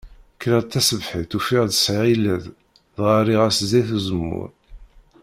Kreɣ-d taṣebḥit ufiɣ-d sɛiɣ illeḍ, dɣa erriɣ-as zzit uzemmur.